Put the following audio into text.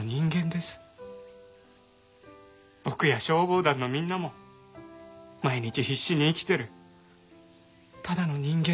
僕や消防団のみんなも毎日必死に生きてるただの人間です。